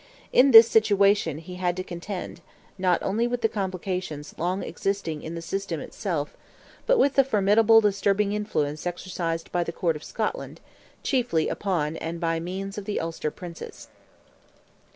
In this situation he had to contend, not only with the complications long existing in the system itself, but with the formidable disturbing influence exercised by the Court of Scotland, chiefly upon and by means of the Ulster Princes.